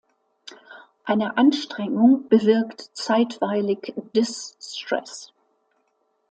Eine Anstrengung bewirkt zeitweilig Dis-Stress.